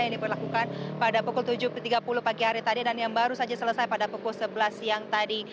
yang diperlakukan pada pukul tujuh tiga puluh pagi hari tadi dan yang baru saja selesai pada pukul sebelas siang tadi